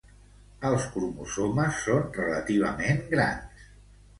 Els cromosomes són relativament grans.